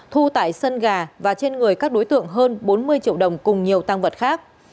thu tại sân gà và trên người các đối tượng hơn bốn mươi triệu đồng cùng nhiều tăng vật khác